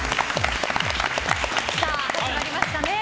始まりましたね。